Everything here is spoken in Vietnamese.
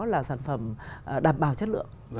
là sản phẩm đảm bảo chất lượng